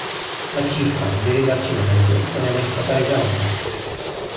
La cifra del risarcimento non è mai stata resa nota.